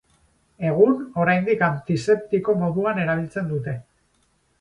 Egun, oraindik antiseptiko moduan erabiltzen dute.